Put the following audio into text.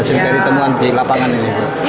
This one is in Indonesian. semuanya nanti lapangan dulu